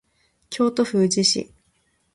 京都府宇治市